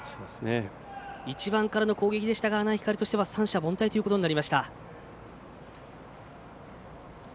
１番からの攻撃でしたが阿南光としては三者凡退ということになりました。